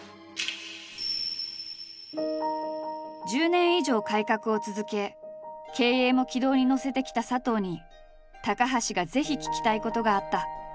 １０年以上改革を続け経営も軌道に乗せてきた佐藤に高橋がぜひ聞きたいことがあった。